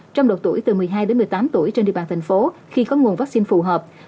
trong độ tuổi từ một mươi hai đến một mươi tám tuổi trên địa bàn thành phố khi có nguồn vaccine phù hợp